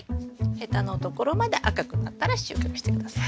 ヘタのところまで赤くなったら収穫して下さい。